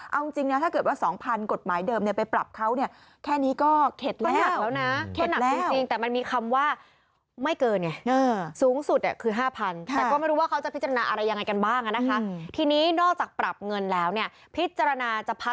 เอาจริงนะถ้าเกิดว่า๒๐๐๐กฎหมายเดิมไปปรับเขา